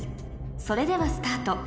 それではスタート！